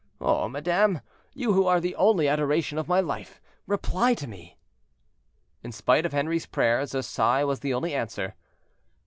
Oh, madame, you who are the only adoration of my life, reply to me." In spite of Henri's prayers, a sigh was the only answer.